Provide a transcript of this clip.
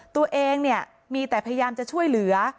ตัวเองเนี่ยมีแต่พยายามจะช่วยเหลือ